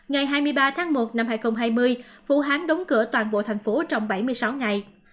ngày hai mươi ba tháng một năm hai nghìn hai mươi vũ hán đóng cửa toàn bộ thành phố trong bảy mươi sáu ngày